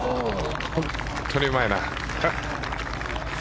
本当にうまいな。